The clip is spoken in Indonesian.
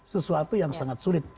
sesuatu yang sangat sulit